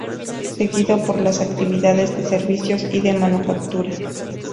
Seguido por las actividades de servicios y de manufactura.